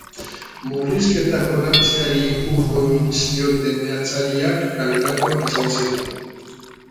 Murrizketak onartzeari uko egin zioten meatzariak kaleratuak izan ziren.